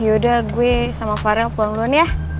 yaudah gue sama farel pulang dulu nih ya